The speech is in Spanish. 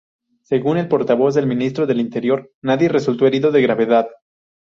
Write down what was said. Según el portavoz del Ministro del Interior, nadie resultó herido de gravedad.